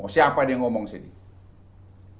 siapa dia ngomong sendiri